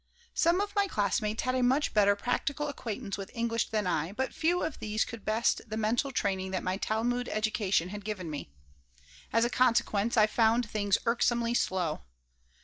Some of my classmates had a much better practical acquaintance with English than I, but few of these could best the mental training that my Talmud education had given me. As a consequence, I found things irksomely slow.